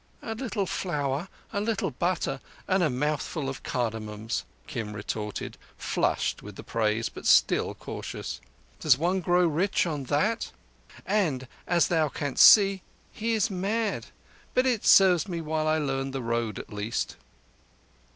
"A little flour, a little butter and a mouthful of cardamoms," Kim retorted, flushed with the praise, but still cautious—"Does one grow rich on that? And, as thou canst see, he is mad. But it serves me while I learn the road at least."